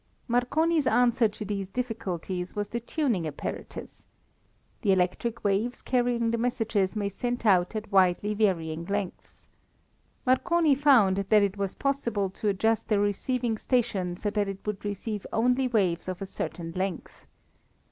Marconi's answer to these difficulties was the tuning apparatus. The electric waves carrying the messages may be sent out at widely varying lengths. Marconi found that it was possible to adjust a receiving station so that it would receive only waves of a certain length.